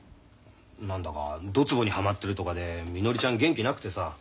何だかドツボにハマってるとかでみのりちゃん元気なくてさ。